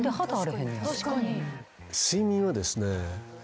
睡眠はですね